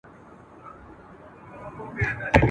که په ریشتیا وای د شنو زمریو `